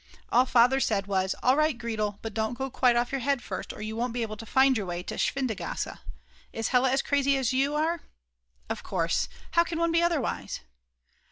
_ All Father said was: "All right Gretel, but don't go quite off your head first or you won't be able to find your way to Schwindgasse. Is Hella as crazy as you are?" Of course, how can one be otherwise?